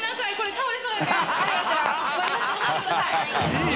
いい